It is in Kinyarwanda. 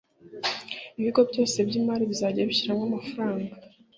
ibigo byose by’Imari bizajya bishyiramo amafaranga